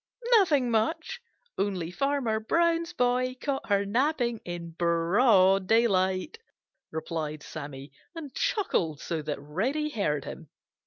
"Nothing much, only Farmer Brown's boy caught her napping in broad daylight," replied Sammy, and chuckled so that Reddy heard him.